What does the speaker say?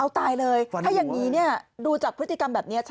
เอาตายเลยถ้าอย่างนี้เนี่ยดูจากพฤติกรรมแบบนี้